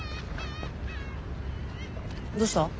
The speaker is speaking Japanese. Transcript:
どうした？